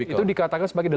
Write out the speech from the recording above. itu dikatakan seperti